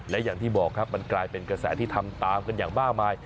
และอย่างที่บอกครับมันกลายเป็นกระแสที่ทำตามกันอย่างมากมาย